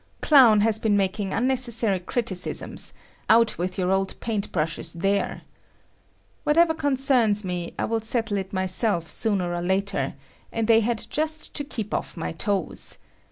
Clown has been making unnecessary criticisms; out with your old paint brushes there! Whatever concerns me, I will settle it myself sooner or later, and they had just to keep off my toes.